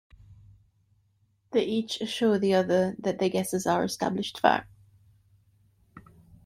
They each assure the other that their guesses are established fact.